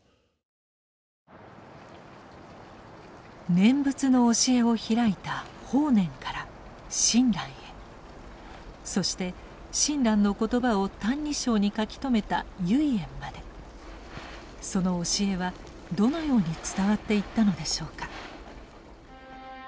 念仏の教えを開いた法然から親鸞へそして親鸞の言葉を「歎異抄」に書き留めた唯円までその教えはどのように伝わっていったのでしょうか。